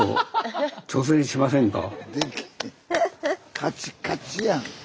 カチカチやん。